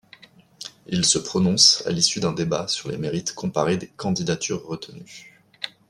Il se prononce à l’issue d’un débat sur les mérites comparés des candidatures retenues.